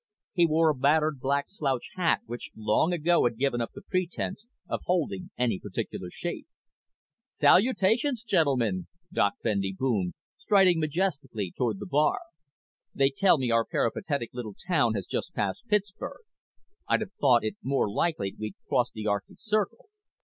He wore a battered black slouch hat which long ago had given up the pretense of holding any particular shape. "Salutations, gentlemen!" Doc Bendy boomed, striding majestically toward the bar. "They tell me our peripatetic little town has just passed Pittsburgh. I'd have thought it more likely we'd crossed the Arctic Circle.